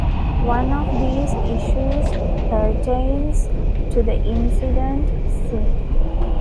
One of these issues pertains to the incident scene.